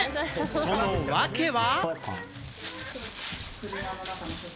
その訳は？